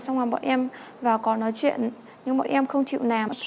xong rồi bọn em vào có nói chuyện nhưng bọn em không chịu làm